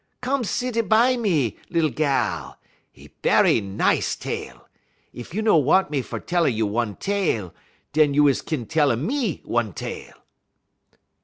Come sit a by me, lil gal;'e berry nice tale. Ef you no want me fer tell a you one tale, dun you is kin tell a me one tale."